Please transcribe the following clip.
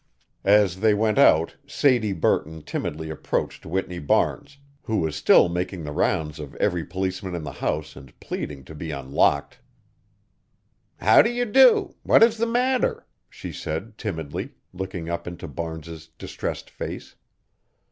As they went out Sadie Burton timidly approached Whitney Barnes, who was still making the rounds of every policeman in the house and pleading to be unlocked. "How do you do what is the matter?" she said timidly, looking up into Barnes's distressed face.